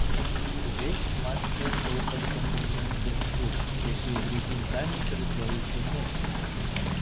Увесь матч прайшоў пад акампанемент дажджу, які ў другім тайме ператварыўся ў моцны.